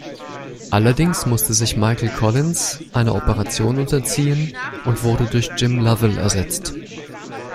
Allerdings musste sich Michael Collins einer Operation unterziehen und wurde durch Jim Lovell ersetzt.